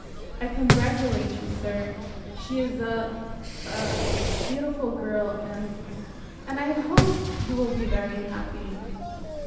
"I congratulate you, sir. She is a a beautiful girl and and I hope you will be very happy."